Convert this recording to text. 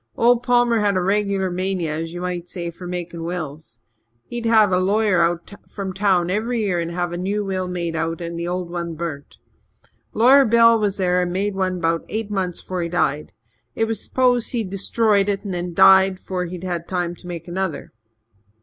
Old Palmer had a regular mania, as ye might say, for makin' wills. He'd have a lawyer out from town every year and have a new will made and the old one burnt. Lawyer Bell was there and made one 'bout eight months 'fore he died. It was s'posed he'd destroyed it and then died 'fore he'd time to make another.